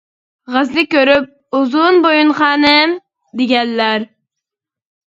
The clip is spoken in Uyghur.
غازنى كۆرۈپ ‹ ‹ئۇزۇن بويۇن خانىم› › دېگەنلەر.